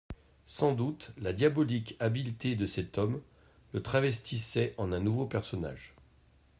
Sans doute, la diabolique habileté de cet homme le travestissait en un nouveau personnage.